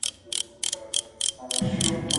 روغتیايي اسانتیاوې باید ټولو ته ورسیږي.